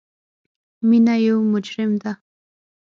مینه یو مجرم ده